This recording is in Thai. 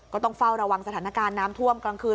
ต้องเฝ้าระวังสถานการณ์น้ำท่วมกลางคืน